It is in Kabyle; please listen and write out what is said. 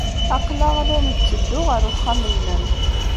Aql-aɣ la netteddu ɣer uxxam-nnem.